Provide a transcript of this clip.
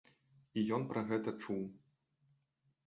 І ён пра гэта чуў.